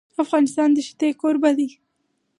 افغانستان د ښتې کوربه دی.